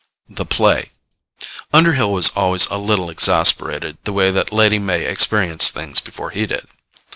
THE PLAY Underhill was always a little exasperated the way that Lady May experienced things before he did.